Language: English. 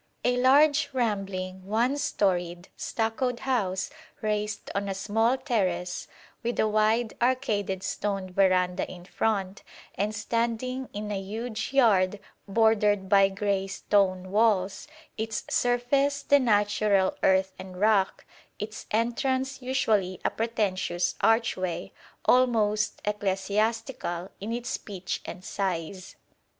A large rambling, one storeyed stuccoed house raised on a small terrace, with a wide arcaded stone verandah in front, and standing in a huge yard bordered by grey stone walls, its surface the natural earth and rock, its entrance usually a pretentious archway, almost ecclesiastical in its pitch and size.